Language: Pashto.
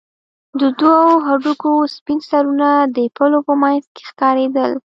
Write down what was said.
د دوو هډوکو سپين سرونه د پلو په منځ کښې ښکارېدل.